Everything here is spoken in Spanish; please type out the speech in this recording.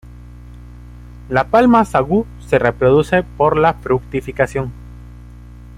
La palma sagú se reproduce por la fructificación.